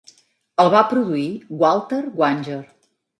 El va produir Walter Wanger.